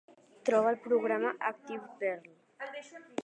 Troba el programa ActivePerl